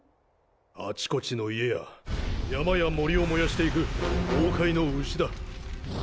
あちこちの家や山や森を燃やしていく妖怪の牛だ。